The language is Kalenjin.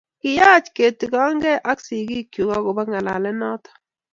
kiyach ketigongee ak sigikchu akobo ngalalet noto